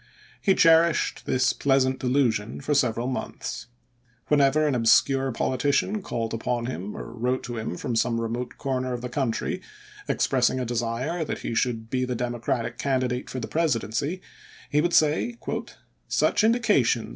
He cherished this pleasant delusion for several months. Whenever an obscure politician called upon him or wrote to him from some remote corner of the country, expressing a desire that he should be the Democratic candidate for the Presidency, he would say, "Such indications